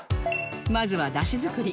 まずは出汁作り